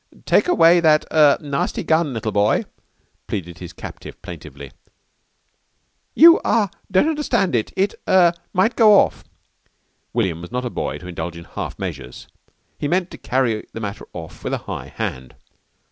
"Take away that er nasty gun, little boy," pleaded his captive plaintively. "You ah don't understand it. It er might go off." William was not a boy to indulge in half measures. He meant to carry the matter off with a high hand.